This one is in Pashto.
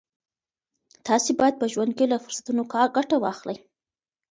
تاسي باید په ژوند کي له فرصتونو ګټه واخلئ.